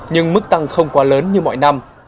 nhưng mức tăng không quá lớn như mọi năm